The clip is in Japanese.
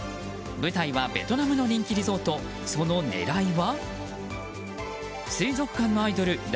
舞台はベトナムの人気リゾートその狙いは？